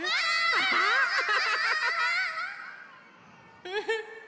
アハハハハ！